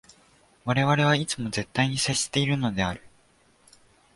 我々はいつも絶対に接しているのである。